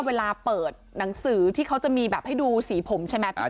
เวลาเปิดหนังสือที่เขาจะมีแบบให้ดูสีผมใช่ไหมพี่ป